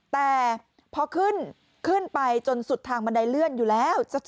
แต่พอขึ้นขึ้นไปจนสุดทางบันไดเลื่อนอยู่แล้ว